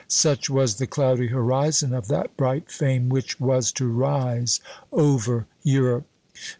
Such was the cloudy horizon of that bright fame which was to rise over Europe!